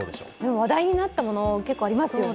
話題になったもの結構ありますよね。